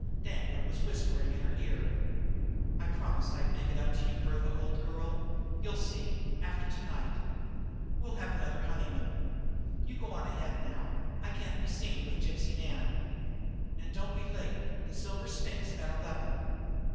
Danglar was whispering in her ear: "I promised I'd make it up to you, Bertha, old girl. You'll see after to night. We'll have another honey moon. You go on ahead now I can't be seen with Gypsy Nan. And don't be late the Silver Sphinx at eleven."